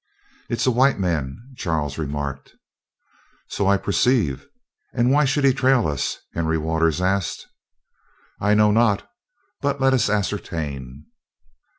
"It's a white man," Charles remarked. "So I perceive, and why should he trail us?" Henry Waters asked. "I know not; but let us ascertain."